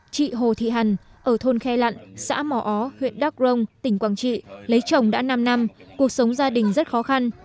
chị hồ thị hàn ở thôn khe lặn xã mò ó huyện đắk rông tỉnh quảng trị lấy chồng đã năm năm cuộc sống gia đình rất khó khăn